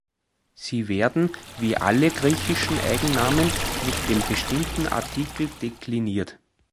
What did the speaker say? Sie werden, wie alle griechischen Eigennamen, mit dem bestimmten Artikel dekliniert.